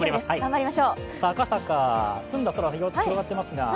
赤坂、澄んだ空が広がっています